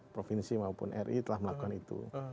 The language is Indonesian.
provinsi maupun ri telah melakukan itu